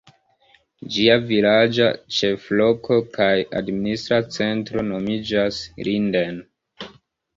Ĝia vilaĝa ĉefloko kaj administra centro nomiĝas Linden.